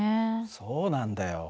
そうなんだよ。